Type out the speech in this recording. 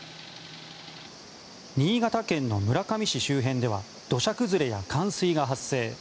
新潟県の村上市周辺では土砂崩れや冠水が発生。